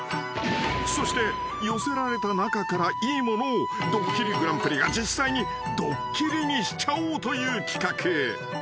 ［そして寄せられた中からいいものを『ドッキリＧＰ』が実際にドッキリにしちゃおうという企画］